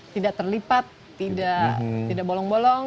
tidak terlipat tidak bolong bolong